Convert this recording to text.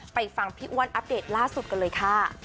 ฟังพี่อ้วนอัปเดตล่าสุดกันเลยค่ะ